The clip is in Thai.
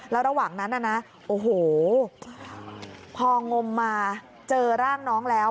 แล้วระหว่างนั้นพ่องมมาเจอร่างน้องแล้ว